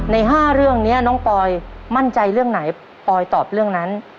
ใน๕เรื่องนี้น้องปอยมั่นใจเรื่องไหนปอยตอบเรื่องนั้น